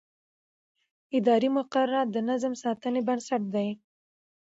اداري مقررات د نظم ساتنې بنسټ دي.